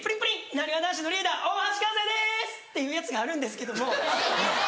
なにわ男子のリーダー大橋和也です！っていうやつがあるんですけども。